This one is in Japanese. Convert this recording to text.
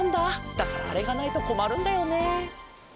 だからあれがないとこまるんだよね。